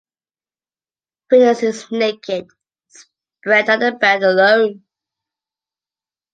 Venus is naked, spread on the bed alone.